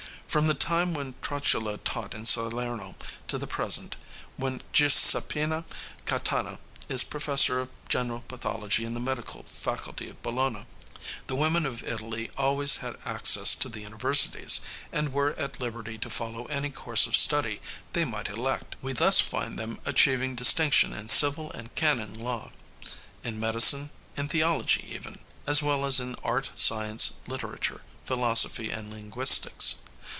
From the time when Trotula taught in Salerno to the present, when Giuseppina Catani is professor of general pathology in the medical faculty of Bologna, the women of Italy always had access to the universities and were at liberty to follow any course of study they might elect. We thus find them achieving distinction in civil and canon law, in medicine, in theology even, as well as in art, science, literature, philosophy and linguistics.